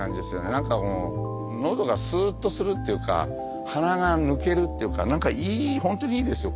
何かもう喉がスーッとするっていうか鼻が抜けるっていうか何かいい本当にいいんですよ